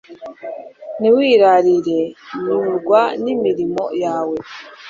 ntiwirarire nyurwa n'imirimo yawe